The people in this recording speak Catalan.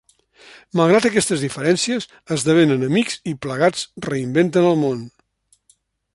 Malgrat aquestes diferències, esdevenen amics i plegats reinventen el món.